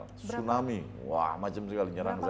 tsunami wah macam sekali nyerang saya